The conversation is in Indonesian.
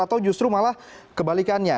atau justru malah kebalikannya